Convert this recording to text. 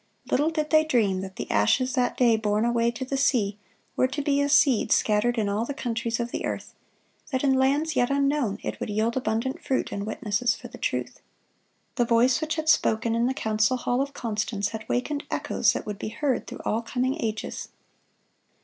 Little did they dream that the ashes that day borne away to the sea were to be as seed scattered in all the countries of the earth; that in lands yet unknown it would yield abundant fruit in witnesses for the truth. The voice which had spoken in the council hall of Constance had wakened echoes that would be heard through all coming ages.